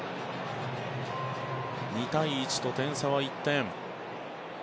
２対１と点差は１点。